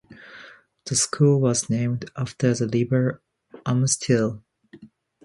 The school was named after the river Amstel.